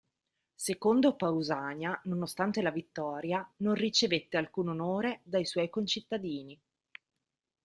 Secondo Pausania nonostante la vittoria, non ricevette alcun onore dai suoi concittadini.